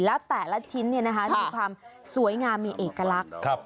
แล้วแต่ละชิ้นมีความสวยงามมีเอกลักษณ์